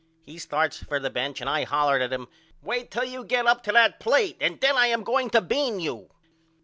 He starts for the bench and I hollered at him Wait till you get up to that plate and then I am going to bean you.